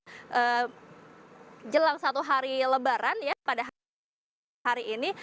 bagaimana arus lalu lintas semakin lengang dan juga semakin lancar jelang satu hari lebaran ya pada hari ini